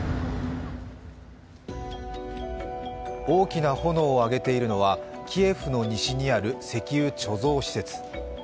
大きな炎を上げているのはキエフの西にある石油貯蔵施設。